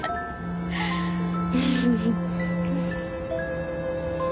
フフフ。